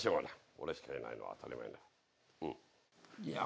俺しかいないのは当たり前だうんいや